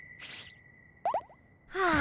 はあ。